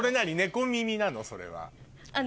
それは。